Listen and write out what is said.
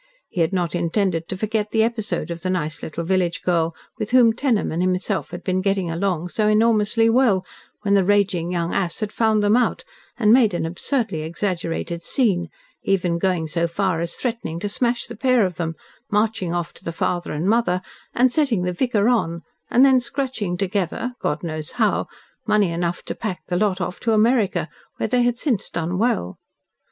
He had not intended to forget the episode of the nice little village girl with whom Tenham and himself had been getting along so enormously well, when the raging young ass had found them out, and made an absurdly exaggerated scene, even going so far as threatening to smash the pair of them, marching off to the father and mother, and setting the vicar on, and then scratching together God knows how money enough to pack the lot off to America, where they had since done well.